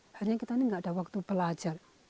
akhirnya kita ini nggak ada waktu belajar